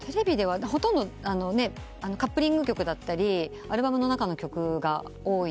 ほとんどカップリング曲だったりアルバムの中の曲が多いので。